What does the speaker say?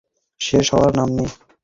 শেষ হওয়ার নাম নেই।